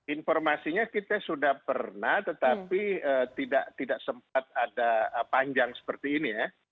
informasinya kita sudah pernah tetapi tidak sempat ada panjang seperti ini ya